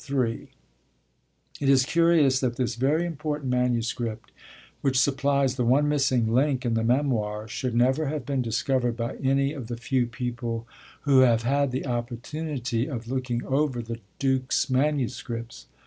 ' It is curious that this very important manuscript, which supplies the one missing link in the Memoirs, should never have been discovered by any of the few people who have had the opportunity of looking over the Dux manuscripts.